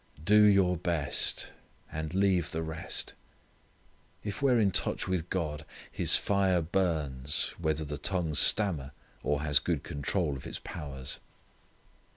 Do your best, and leave the rest. If we are in touch with God His fire burns whether the tongue stammer or has good control of its powers.